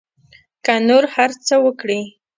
که نور هر څه وکري.